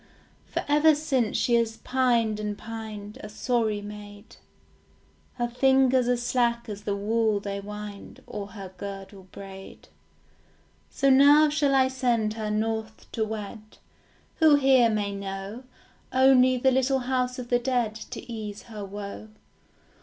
For ever since she has pined and pined, A sorry maid; Her fingers are slack as the wool they wind, Or her girdle braid. So now shall I send her north to wed, Who here may know Only the little house of the dead To ease her woe?